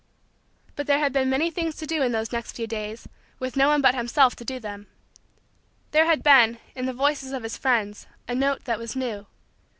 But there had been many things to do in those next few days, with no one but himself to do them. There had been, in the voices of his friends, a note that was new.